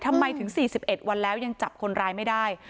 อืมทำไมถึงสี่สิบเอ็ดวันแล้วยังจับคนร้ายไม่ได้